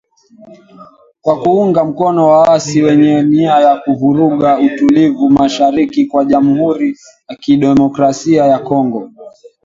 Kwa kuunga mkono waasi wenye nia ya kuvuruga utulivu Mashariki mwa Jamhuri ya kidemokrasia ya Kongo.